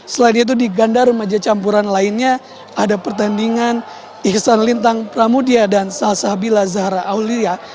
selain itu di ganda remaja campuran lainnya ada pertandingan iksan lintang pramudia dan salsabila zahra aulia